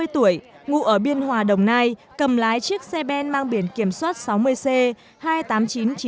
ba mươi tuổi ngụ ở biên hòa đồng nai cầm lái chiếc xe ben mang biển kiểm soát sáu mươi c hai mươi tám nghìn chín trăm chín mươi